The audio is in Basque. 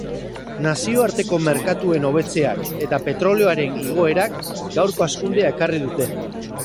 Nazioarteko merkatuen hobetzeak eta petrolioaren igoerak gaurko hazkundea ekarri dute.